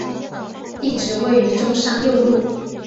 店址位于中山六路。